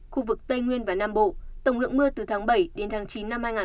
khu vực tây nguyên và nam bộ tổng lượng mưa từ tháng bảy chín hai nghìn hai mươi bốn